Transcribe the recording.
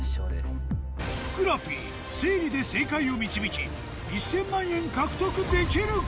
ふくらＰ推理で正解を導き１０００万円獲得できるか⁉